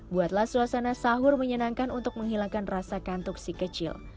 buatlah suasana sahur menyenangkan untuk menghilangkan rasa kantuk si kecil